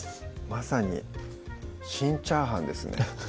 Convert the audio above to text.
まさに「シン・チャーハン」ですね